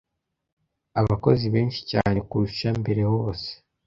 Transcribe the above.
abakozi benshi cyane kurusha mbere hose